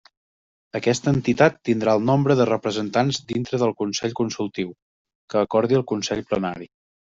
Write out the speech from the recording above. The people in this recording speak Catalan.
Aquesta entitat tindrà el nombre de representats dintre del Consell Consultiu, que acordi el Consell Plenari.